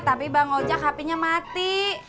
tapi bang ojak hpnya mati